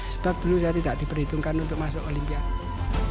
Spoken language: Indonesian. sebab dulu saya tidak diperhitungkan untuk masuk olimpiade